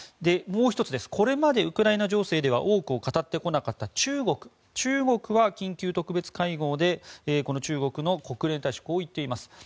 もう１つ、これまでウクライナ情勢では多くを語ってこなかった中国は緊急特別会合で中国の国連大使はこう言っています。